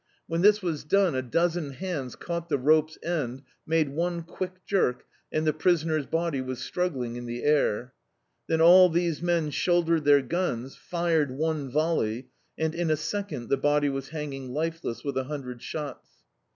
When this was done a dozen hands caught the rope's end, made one quick jerk, and the priscm cr's body was struggling in the air. Then all these men shouldered their guns, fired one volley, and in a second the body was hanging lifeless with a hun dred shots.